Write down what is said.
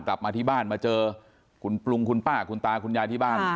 กลับมาที่บ้านมาเจอคุณปรุงคุณป้าคุณตาคุณยายที่บ้าน